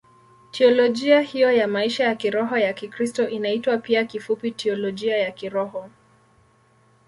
Teolojia hiyo ya maisha ya kiroho ya Kikristo inaitwa pia kifupi Teolojia ya Kiroho.